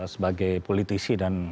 sebagai politisi dan